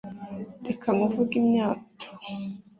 ’Reka nkuvuge imyato’